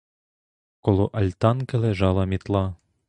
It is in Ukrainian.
Коло альтанки лежала мітла.